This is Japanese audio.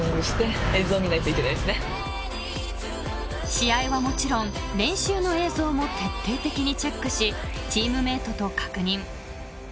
［試合はもちろん練習の映像も徹底的にチェックしチームメートと確認］